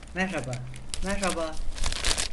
Merhaba, merhaba!